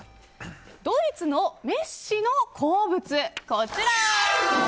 ドイツのメッシの好物、こちら。